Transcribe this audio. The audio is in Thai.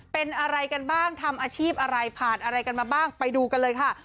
เป็นอะไรกันบ้างทำอาชีพอะไรผ่านอะไรกันมาบ้างไปดูกันเลยค่ะ